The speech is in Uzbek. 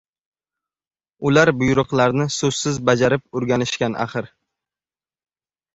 Ular buyruqlarni soʻzsiz bajarib oʻrganishgan axir.